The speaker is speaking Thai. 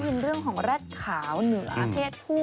เรื่องของแร็ดขาวเหนือเพศผู้